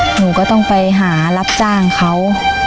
หนูก็ต้องไปหารับจ้างเขา